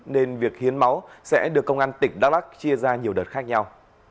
nên việc hiến máu sẽ được công an tỉnh đắk lắc chia ra nhiều đợt khác nhau